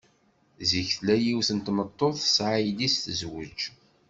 Zik tella yiwet n tmeṭṭut tesɛa yelli-s tezwej.